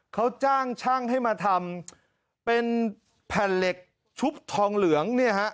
เขาจ้างช่างให้มาทำเป็นแผ่นเหล็กชุบทองเหลืองเนี่ยฮะ